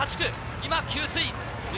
今、給水。